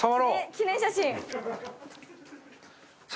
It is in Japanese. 記念写真。